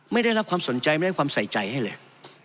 ไม่ได้รับความสนใจไม่ได้ความใส่ใจให้เลย